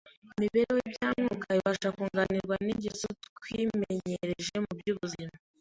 imibereho y’ibya Mwuka ibasha kunganirwa n’ingeso twimenyereje mu by’ubuzima